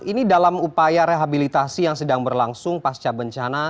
ini dalam upaya rehabilitasi yang sedang berlangsung pasca bencana